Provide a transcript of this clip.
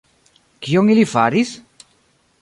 Kion ili faris?